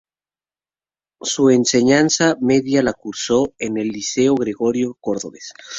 Su enseñanza media la cursó en el Liceo Gregorio Cordovez.